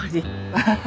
アハハ。